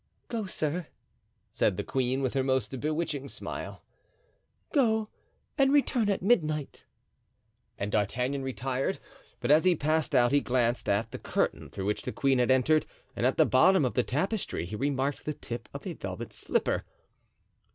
"Go, sir," said the queen, with her most bewitching smile, "go and return at midnight." And D'Artagnan retired, but as he passed out he glanced at the curtain through which the queen had entered and at the bottom of the tapestry he remarked the tip of a velvet slipper.